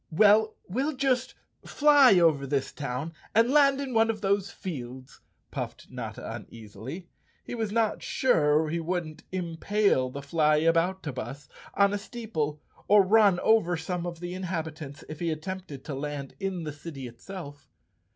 "Well, we'll just fly over this town and land in one of those fields," puffed Notta uneasily. He was not sure he wouldn't impale the Flyaboutabus on a steeple, or 175 The Cowardly Lion of Oz run over some of the inhabitants, if he attempted to land in the city itself.